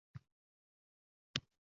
Qaynotam-qaynonamga – kuyov